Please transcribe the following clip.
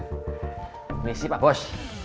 ini sih pak bos